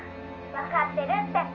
「わかってるって」